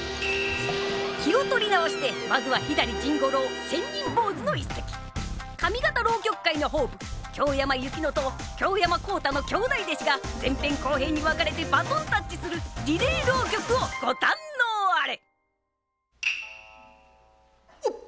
気を取り直してまずは上方浪曲界のホープ京山幸乃と京山幸太の兄妹弟子が前編後編に分かれてバトンタッチするリレー浪曲をご堪能あれ！